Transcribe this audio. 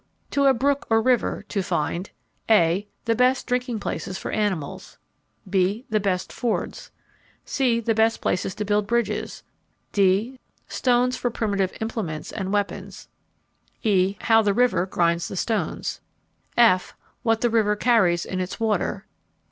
To a brook or river to find (a) The best drinking places for animals. (b) The best fords. (c) The best places to build bridges. (d) Stones for primitive implements and weapons. (e) How the river grinds the stones. (f) What the river carries in its water.